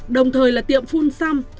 đồng thời là tiệm phun xăm